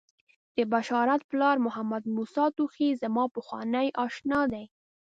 د بشارت پلار محمدموسی توخی زما پخوانی آشنا دی.